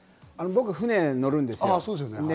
僕、船乗るんですよ。